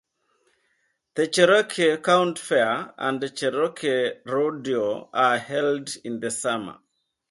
The Cherokee County Fair, and the Cherokee Rodeo are held in the summer.